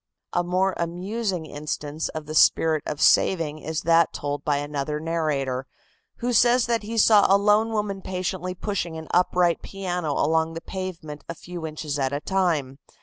A more amusing instance of the spirit of saving is that told by another narrator, who says that he saw a lone woman patiently pushing an upright piano along the pavement a few inches at a time.